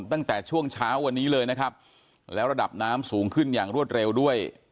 ตั้งแต่ช่วงเช้าวันนี้เลยนะครับแล้วระดับน้ำสูงขึ้นอย่างรวดเร็วด้วย